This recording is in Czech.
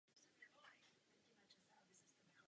Ze stejných důvodů může dojít i k poruchám sluchu.